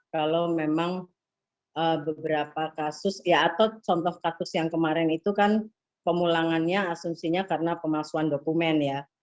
kalau memang beberapa kasus ya atau contoh kasus yang kemarin itu kan pemulangannya asumsinya karena pemalsuan dokumen ya